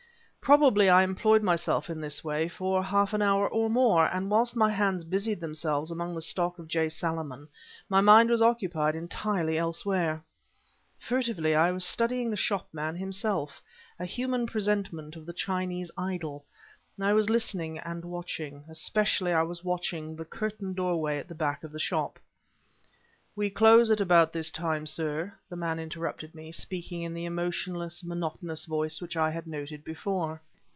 Probably I employed myself in this way for half an hour or more, and whilst my hands busied themselves among the stock of J. Salaman, my mind was occupied entirely elsewhere. Furtively I was studying the shopman himself, a human presentment of a Chinese idol; I was listening and watching; especially I was watching the curtained doorway at the back of the shop. "We close at about this time, sir," the man interrupted me, speaking in the emotionless, monotonous voice which I had noted before.